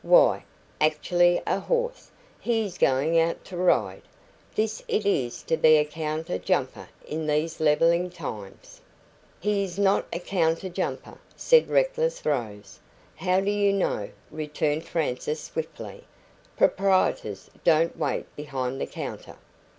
Why, actually a horse! He is going out to ride. This it is to be a counter jumper in these levelling times!" "He is not a counter jumper," said reckless Rose. "How do you know?" returned Frances swiftly. "Proprietors don't wait behind the counter."